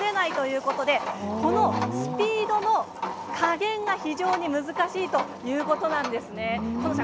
一方で弱すぎると実が取れないということでこのスピードの加減が非常に難しいということなんです。